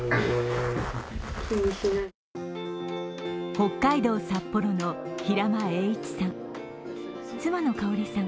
北海道札幌の平間栄一さん。